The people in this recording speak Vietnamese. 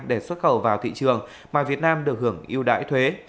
để xuất khẩu vào thị trường mà việt nam được hưởng yêu đãi thuế